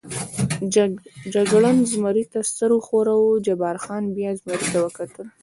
جګړن زمري ته سر و ښوراوه، جبار خان بیا زمري ته وکتل.